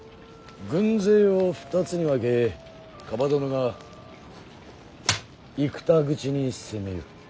軍勢を２つに分け蒲殿が生田口に攻め寄る。